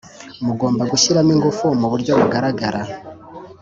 Mugomba gushyiramo ingufu mu buryo bugaragara.